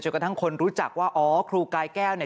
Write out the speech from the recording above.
กระทั่งคนรู้จักว่าอ๋อครูกายแก้วเนี่ย